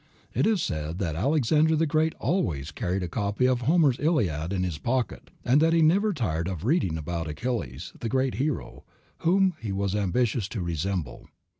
It is said that Alexander the Great always carried a copy of Homer's "Iliad" in his pocket, and that he never tired of reading about Achilles, the great hero, whom he was ambitious to resemble.